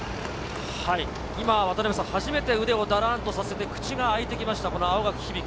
初めて腕をだらんとさせて、口が開いてきました、青柿響。